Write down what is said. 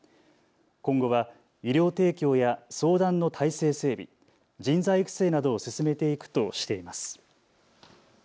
今後は医療提供や相談の体制整備、人材育成などを進めていくとしています。